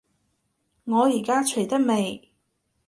我依家除得未？